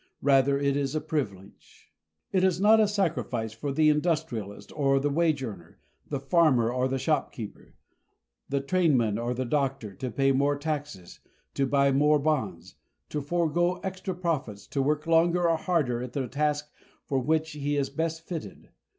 Rather it is a privilege. It is not a sacrifice for the industrialist or the wage earner, the farmer or the shopkeeper, the trainman or the doctor, to pay more taxes, to buy more bonds, to forego extra profits, to work longer or harder at the task for which he is best fitted.